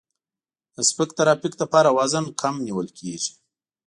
د سپک ترافیک لپاره وزن کم نیول کیږي